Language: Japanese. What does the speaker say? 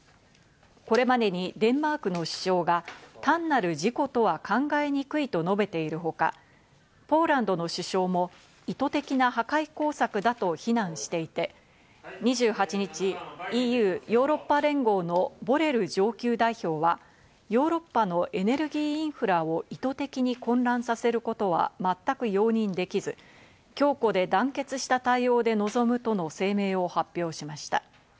これまでにデンマークの首相が単なる事故とは考えにくいと述べているほか、ポーランドの首相も意図的な破壊工作だと非難していて、２８日、ＥＵ＝ヨーロッパ連合のボレル上級代表は、ヨーロッパのエネルギーインフラを意図的に混乱させることは全く容認できず、強固で団結した対応で臨むとの声明を発表しました。